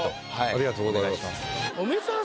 ありがとうございます。